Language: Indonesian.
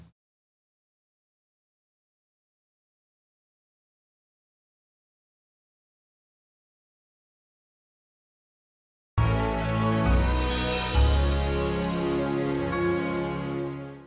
determinasi manje um diary men